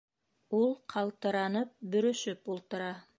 Ул, ҡалтыранып, бөрөшөп ултыра.